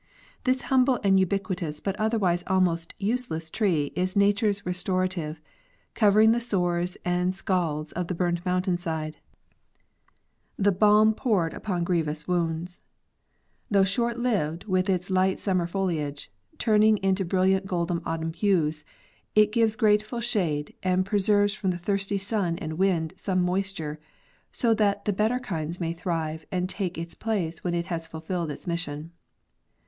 This humble and ubiquitous but otherwise almost use less tree is nature's restorative, covering the sores and secalds of the burnt mountain side, the balm poured upon grievous wounds. 132 B. EH. Fernow—The Battle of the Forest. Though short lived, with its light summer foliage turning into brilliant golden autumn hues, it gives grateful shade and pre serves from the thirsty sun and wind some moisture, so that the better kinds may thrive and take its place when it has fulfilled its mission.